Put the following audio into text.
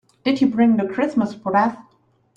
Did you bring the Christmas wreath?